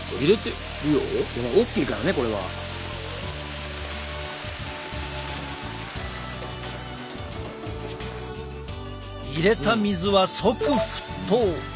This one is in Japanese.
おっきいからねこれは。入れた水は即沸騰。